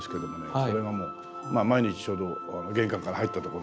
これがもう毎日ちょうど玄関から入ったところに。